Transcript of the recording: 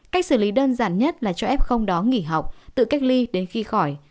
cách xử lý đơn giản nhất là cho f đó nghỉ học tự cách ly đến khi khỏi